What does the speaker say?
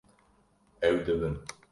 Ew dibin